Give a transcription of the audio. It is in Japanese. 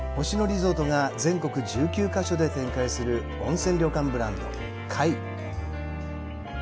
星野リゾートが全国１９か所で展開する温泉旅館ブランド・界。